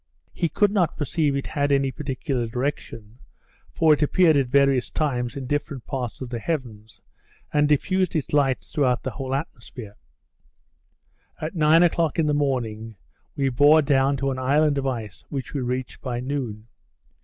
He could not perceive it had any particular direction; for it appeared, at various times, in different parts of the heavens, and diffused its light throughout the whole atmosphere. At nine in the morning, we bore down to an island of ice which we reached by noon.